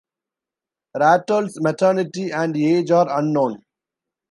Ratold's maternity and age are unknown.